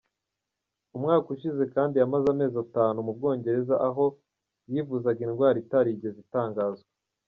Umwaka ushize kandi yamaze amezi atanu mu Bwongereza aho yivuzaga indwara itarigeze itangazwa.